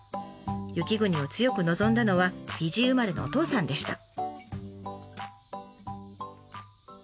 雪国を強く望んだのはフィジー生まれのお父さんでした。